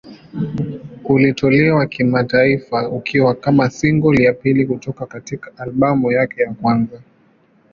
Ulitolewa kimataifa ukiwa kama single ya pili kutoka katika albamu yake ya kwanza.